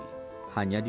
hanya dilakukan sehari hari